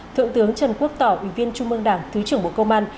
thượng tướng trần quốc tỏ ủy viên trung mương đảng thứ trưởng bộ công an